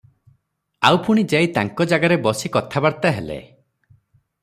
ଆଉ ପୁଣି ଯାଇ ତାଙ୍କ ଜାଗାରେ ବସି କଥାବାର୍ତ୍ତା ହେଲେ ।